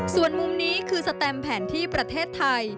ส่วนมุมนี้คือสแตมแผนที่ประเทศไทย